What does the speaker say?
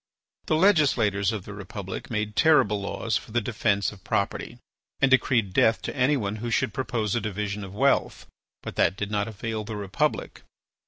The legislators of the Republic made terrible laws for the defence of property, and decreed death to anyone who should propose a division of wealth. But that did not avail the Republic.